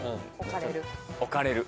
置かれる。